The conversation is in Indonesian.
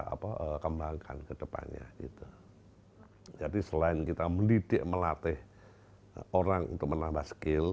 apa kembangkan kedepannya itu jadi selain kita melidik melatih orang untuk menambah skill